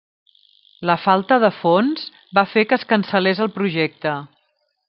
La falta de fons va fer que es cancel·lés el projecte.